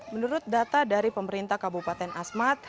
menurut data dari pemerintah kabupaten asmat